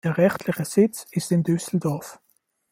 Der rechtliche Sitz ist in Düsseldorf.